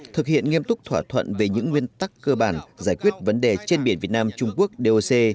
thực hiện nghiêm túc thỏa thuận về những nguyên tắc cơ bản giải quyết vấn đề trên biển việt nam trung quốc doc